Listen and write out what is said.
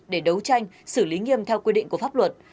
để đấu tranh xử lý nghiêm theo quy định của pháp luật